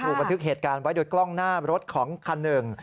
บันทึกเหตุการณ์ไว้โดยกล้องหน้ารถของคันหนึ่ง